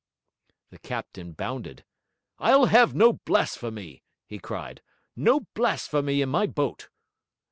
The captain bounded. 'I'll have no blasphemy!' he cried, 'no blasphemy in my boat.'